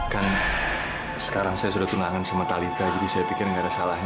kan sekarang saya sudah tunangan sama talitha jadi saya pikir nggak ada salahnya